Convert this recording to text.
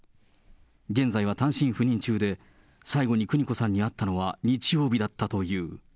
現在は単身赴任中で、最後に邦子さんに会ったのは日曜日だったという。